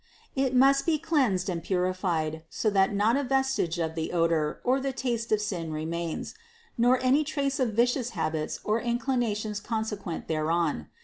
It must be cleansed and purified, so that not a vestige of the odor, or the taste of sin remains, nor any traces of vicious habits or in clinations consequent thereon.